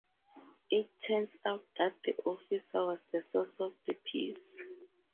It turns out that the officer was the source of the piece.